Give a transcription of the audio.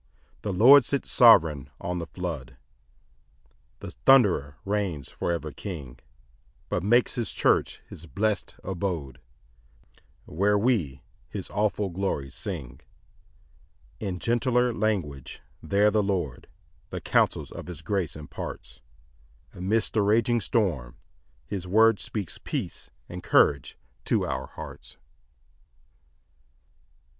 5 The Lord sits sovereign on the flood, The thunderer reigns for ever king; But makes his church his blest abode, Where we his awful glories sing. 6 In gentler language there the Lord The counsels of his grace imparts; Amidst the raging storm his word Speaks peace and courage to our hearts.